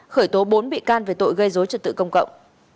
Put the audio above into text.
khởi tố bốn bị can về tội gây dối trật tự công cộng